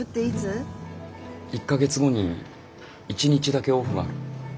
１か月後に１日だけオフがある。